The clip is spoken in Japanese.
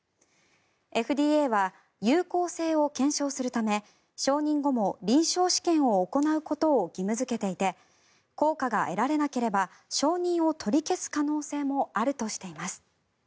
ＦＤＡは有効性を検証するため承認後も臨床試験を行うことを義務付けていて効果が得られなければ承認を取り消す可能性もあるとしています。